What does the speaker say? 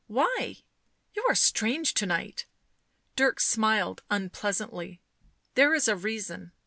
"Why? You are strange to night." Dirk smiled unpleasantly. " There is a reason.